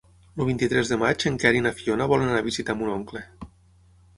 El vint-i-tres de maig en Quer i na Fiona volen anar a visitar mon oncle.